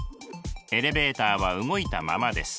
エレベーターは動いたままです。